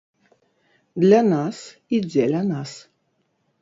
Для нас і дзеля нас.